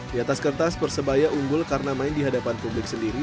di atas kertas persebaya unggul karena main di hadapan publik sendiri